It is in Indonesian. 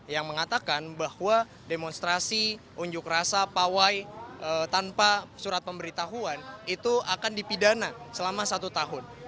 yang mengatakan bahwa demonstrasi unjuk rasa pawai tanpa surat pemberitahuan itu akan dipidana selama satu tahun